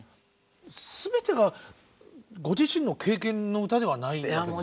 すべてがご自身の経験の歌ではないんですか？